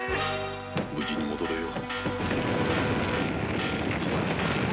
無事に戻れよ！